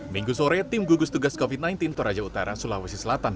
minggu sore tim gugus tugas covid sembilan belas toraja utara sulawesi selatan